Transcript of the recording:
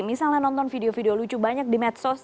misalnya nonton video video lucu banyak di medsos